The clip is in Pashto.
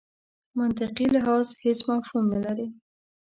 منطقي لحاظ هېڅ مفهوم نه لري.